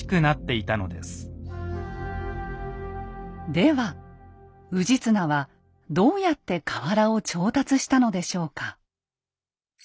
では氏綱はどうやって瓦を調達したのでしょうか。